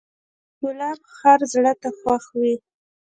ګلاب هر زړه ته خوښ وي.